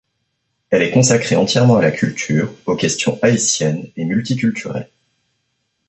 Elle consacrée entièrement à la culture, aux questions haïtiennes et multiculturelles.